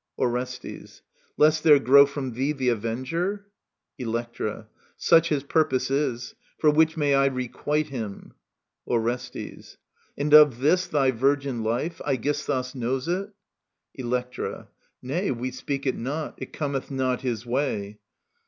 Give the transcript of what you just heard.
Orestes. Lest there grow From thee the avenger ? Electra. Such his purpose is : For which may I requite him I Orestes. And of this Thy virgin hTe — ^Aegisthus knows it ? Elsctra. Naj, We speak it not. It cometh not his way.